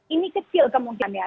ini kecil kemungkinannya